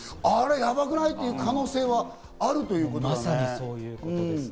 やばくない？っていう可能性はあるということですね。